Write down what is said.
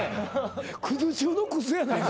クズ中のクズやないか。